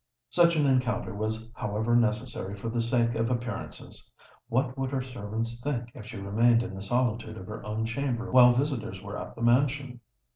Such an encounter was however necessary, for the sake of appearances. What would her servants think if she remained in the solitude of her own chamber while visitors were at the mansion?